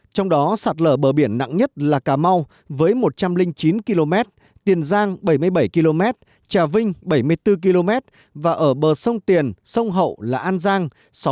trong đó sạt lở bờ biển nặng nhất là cà mau với một trăm linh chín km tiền giang bảy mươi bảy km trà vinh bảy mươi bốn km và ở bờ sông tiền sông hậu là an giang